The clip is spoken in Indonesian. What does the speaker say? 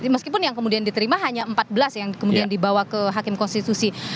meskipun yang kemudian diterima hanya empat belas yang kemudian dibawa ke hakim konstitusi